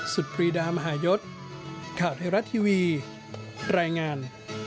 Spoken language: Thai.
ปรีดามหายศข่าวไทยรัฐทีวีรายงาน